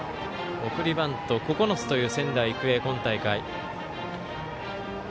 送りバント９つという仙台育英、今大会。